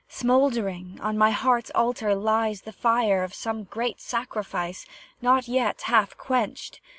Smouldering, on my heart's altar lies The fire of some great sacrifice, Not yet half quenched.